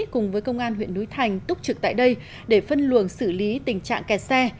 cùng với công an huyện núi thành túc trực tại đây để phân luồng xử lý tình trạng kẹt xe